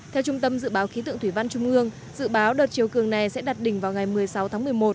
theo trung tâm dự báo khí tượng thủy văn trung ương dự báo đợt chiều cường này sẽ đặt đỉnh vào ngày một mươi sáu tháng một mươi một